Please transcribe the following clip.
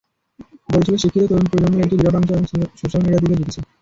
বরিশালের শিক্ষিত তরুণ প্রজন্মের একটি বিরাট অংশ এখন সোশ্যাল মিডিয়ার দিকে ঝুঁকছে।